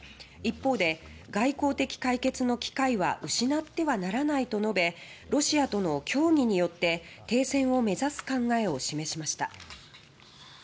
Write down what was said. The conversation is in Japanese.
一方で「外交的解決の機会は失ってはならない」と述べロシアとの協議によって停戦を目指す考えを示しました。